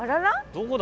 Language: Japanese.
どこだ？